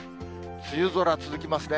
梅雨空続きますね。